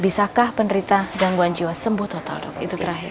bisakah penderita gangguan jiwa sembuh total dok itu terakhir